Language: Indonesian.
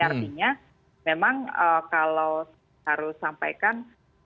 artinya memang kalau harus sampaikan